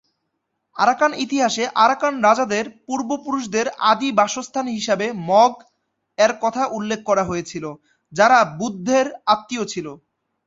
Arakan ইতিহাসে Arakan রাজাদের পূর্বপুরুষদের আদি বাসস্থান হিসেবে "মগ" এর কথা উল্লেখ করা হয়েছিল, যারা বুদ্ধের আত্মীয় ছিল।